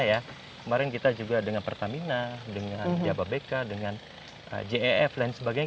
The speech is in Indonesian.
kemarin kita juga dengan pertamina dengan jababeka dengan jef dan sebagainya